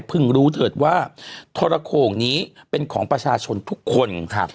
รู้เถิดว่าทรโขงนี้เป็นของประชาชนทุกคนครับ